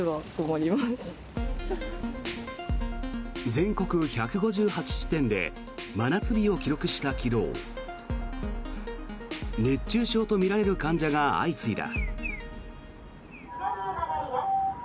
全国１５８地点で真夏日を記録した昨日熱中症とみられる患者が相次いだ。